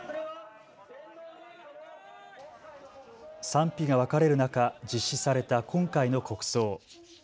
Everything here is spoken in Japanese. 賛否が分かれる中、実施された今回の国葬。